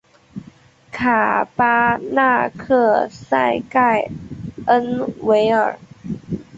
卡巴纳克塞盖恩维尔。